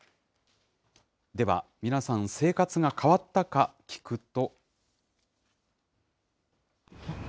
では、皆さん、生活が変わったか聞くと。